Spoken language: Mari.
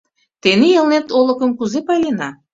— Тений Элнет олыкым кузе пайлена?